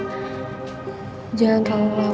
jangan tahu lama lama lo akan kembali ke rumah lo ya